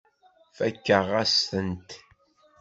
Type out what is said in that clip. Fakeɣ-as-tent.